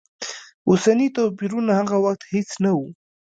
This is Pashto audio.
اوسني توپیرونه هغه وخت هېڅ نه و.